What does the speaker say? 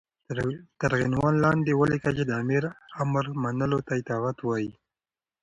تر عنوان لاندې وليكه چې دآمر امر منلو ته اطاعت وايي